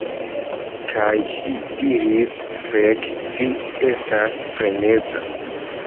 Kaj ŝi diris: "Fek, vi estas freneza."